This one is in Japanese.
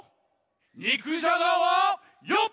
にくじゃがはよっ！